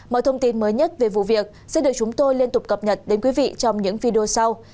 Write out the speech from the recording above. mọi thông tin mới nhất về vụ việc sẽ được chúng tôi liên tục cập nhật đến quý vị trong những video sau